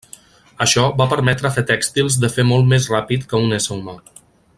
Això va permetre fer tèxtils de fer molt més ràpid que un ésser humà.